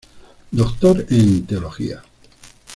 Doctor en teología.